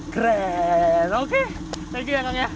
keren oke thank you ya kang ya